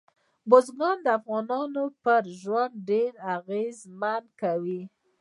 بزګان د افغانانو پر ژوند ډېر اغېزمن کوي.